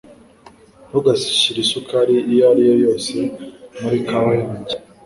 Ntugashyire isukari iyo ari yo yose muri kawa yanjye.